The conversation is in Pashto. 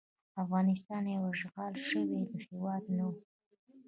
افغانستان یو اشغال شوی هیواد نه وو.